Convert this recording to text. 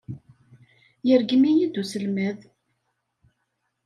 Yergem-iyi-d uselmad.